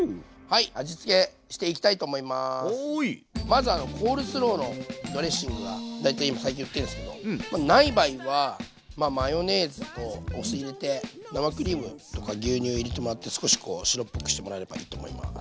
まずコールスローのドレッシングが大体今最近売ってるんですけどない場合はマヨネーズとお酢入れて生クリームとか牛乳入れてもらって少しこう白っぽくしてもらえればいいと思います。